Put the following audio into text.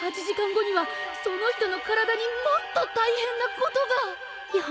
「４８時間後にはその人の体にもっと大変なことが」